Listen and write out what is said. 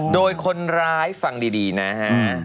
โดยคนร้ายฟังดีนะฮะ